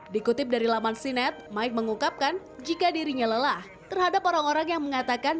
dikutip dari laman sinet mike mengungkapkan jika dirinya lelah terhadap orang orang yang mengatakan